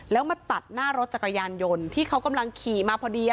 แล้วมาตัดหน้ารถจักรยานยนต์ที่เขากำลังขี่มาพอดี